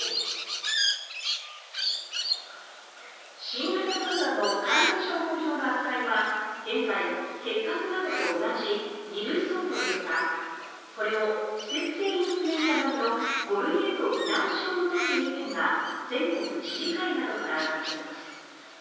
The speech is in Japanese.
新型コロナの感染症法上の扱いは現在結核などと同じ２類相当ですがこれを季節性インフルエンザ並みの５類へと見直しを求める意見が全国知事会などから上がっています。